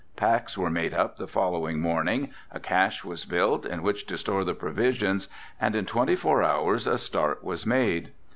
Packs were made up the following morning, a cache was built, in which to store the provisions, and in twenty four hours a start was made.